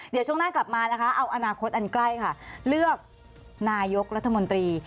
เดี๋ยวช่วงหน้ากลับมานะคะเอาอนาคตอันใกล้ค่ะเลือกนายกรัฐมนตรี